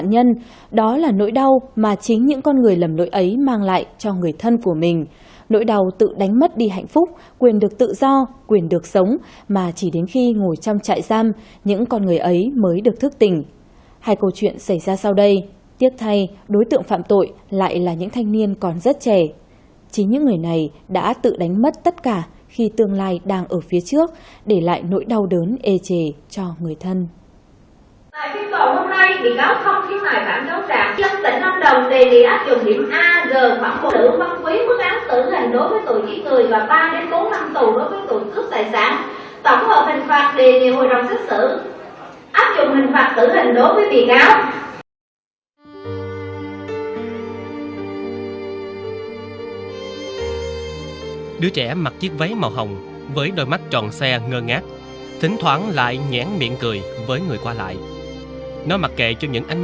hai câu chuyện xảy ra sau đây tiếc thay đối tượng phạm tội lại là những thanh niên còn rất trẻ chính những người này đã tự đánh mất tất cả khi tương lai đang ở phía trước để lại nỗi đau đớn ê trề cho người thân